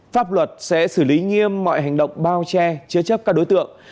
pháp luật sẽ xử lý nghiêm mọi hành động bao che chứa chấp các đối tượng